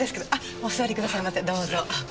お座りくださいませどうぞ。